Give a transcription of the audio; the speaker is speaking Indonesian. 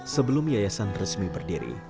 sebelum yayasan resmi berdiri